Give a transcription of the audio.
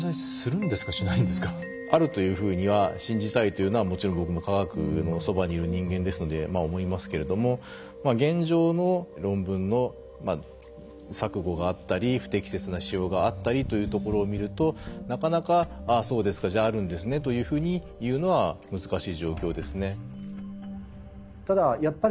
あるというふうには信じたいというのはもちろん僕も科学のそばにいる人間ですのでまあ思いますけれども現状の論文の錯誤があったり不適切な使用があったりというところを見るとなかなか「ああそうですかじゃああるんですね」というふうに言うのは難しい状況ですね。